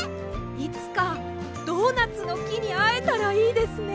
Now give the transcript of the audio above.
いつかドーナツのきにあえたらいいですね。